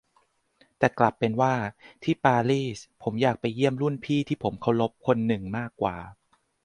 แต่กลับเป็นว่าที่ปารีสผมอยากไปเยี่ยมรุ่นพี่ที่ผมเคารพคนหนึ่งมากกว่า